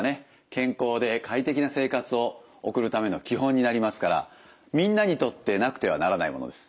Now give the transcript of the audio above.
健康で快適な生活を送るための基本になりますからみんなにとってなくてはならないものです。